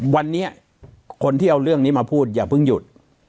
วันนี้คนที่เอาเรื่องนี้มาพูดอย่าเพิ่งหยุด